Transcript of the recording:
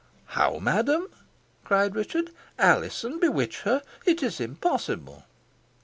"How, madam!" cried Richard. "Alizon bewitch her! It is impossible."